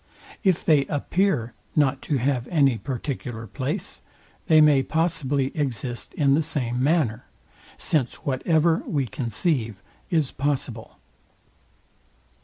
If they APPEAR not to have any particular place, they may possibly exist in the same manner; since whatever we conceive is possible.